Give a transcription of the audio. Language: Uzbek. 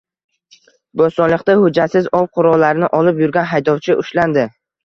Bo‘stonliqda hujjatsiz ov qurollarini olib yurgan haydovchi ushlandi